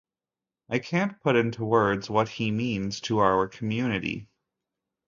I can't put into words what he means to our community.